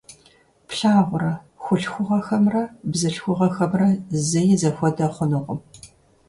Плъагъурэ, хъулъхугъэхэмрэ бзылъхугъэхэмрэ зэи зэхуэдэ хъунукъым.